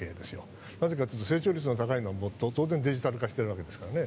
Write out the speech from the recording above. なぜかというと成長率が高いのは当然デジタル化しているわけですから。